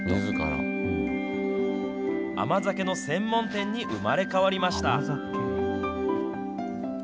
甘酒の専門店に生まれ変わりました。